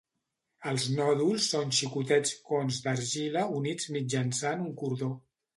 Els nòduls són xicotets cons d'argila units mitjançant un cordó.